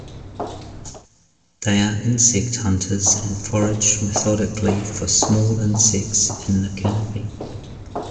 They are insect hunters and forage methodically for small insects in the canopy.